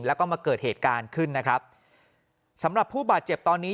แล้วก็มาเกิดเหตุการณ์ขึ้นนะครับสำหรับผู้บาดเจ็บตอนนี้